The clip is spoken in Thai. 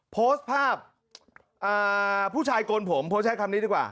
โพสต์ภาพผู้ชายโกนผมโพสต์ใช้คำนี้ดีกว่า